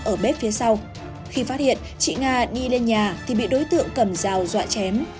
ở bếp phía sau khi phát hiện chị nga đi lên nhà thì bị đối tượng cầm dao dọa chém